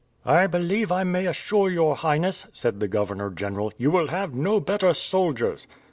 "I believe I may assure your Highness," said the governor general, "you will have no better soldiers."